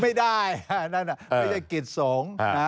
ไม่ได้ไม่ใช่กิจสงฆ์